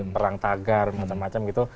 perang tagar macam macam gitu